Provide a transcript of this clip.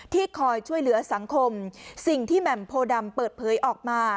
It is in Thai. คอยช่วยเหลือสังคมสิ่งที่แหม่มโพดำเปิดเผยออกมา